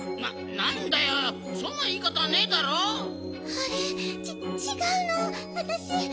あれっ？ちちがうのわたし。